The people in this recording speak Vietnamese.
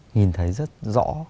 nhìn thấy rất rõ